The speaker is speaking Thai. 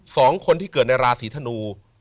สองคนที่เกิดในราศีธนู